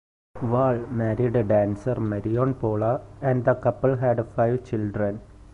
Wall married dancer Marion Pola and the couple had five children.